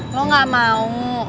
lo gak mau